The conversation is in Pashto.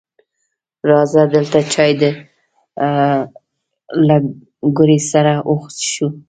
راځه دلته چای له ګوړې سره وڅښو